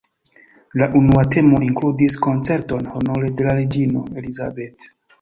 La unua temo inkludis koncerton honore de la reĝino "Elizabeth".